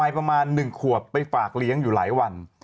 ประมาณ๑ขวบไปฝากเลี้ยงอยู่หลายวัน